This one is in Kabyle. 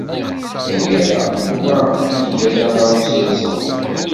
Tagara, Yuba iga taɣawsa iṣelḥen.